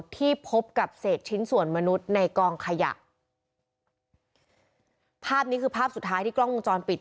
ที่พบกับเศษชิ้นส่วนมนุษย์ในกองขยะภาพนี้คือภาพสุดท้ายที่กล้องวงจรปิด